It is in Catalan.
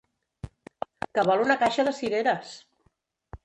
Que vol una caixa de cireres!